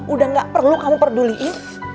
udah gak perlu kamu peduliin